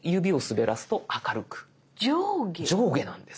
上下なんです。